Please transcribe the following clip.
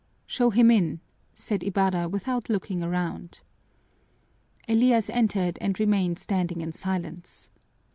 "Show him in," said Ibarra without looking around. Elias entered and remained standing in silence.